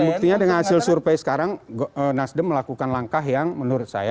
buktinya dengan hasil survei sekarang nasdem melakukan langkah yang menurut saya